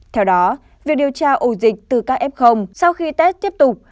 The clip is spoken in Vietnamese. theo đó việc điều tra ổ dịch từ các f sau khi tết tiếp tục